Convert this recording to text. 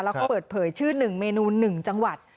แล้วก็เปิดเผยชื่อหนึ่งเมนูหนึ่งจังหวัด